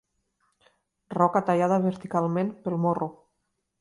Roca tallada verticalment, pel morro.